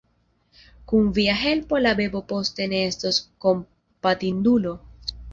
Kun via helpo la bebo poste ne estos kompatindulo.